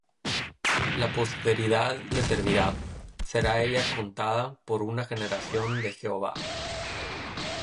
La posteridad le servirá; Será ella contada por una generación de Jehová.